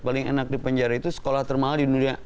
paling enak di penjara itu sekolah termahal di dunia